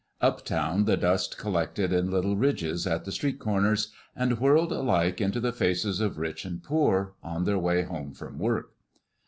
Up town the dust collected in little ridges at the street corners, and whirled alike into the faces of rich and poor, on their way home from work.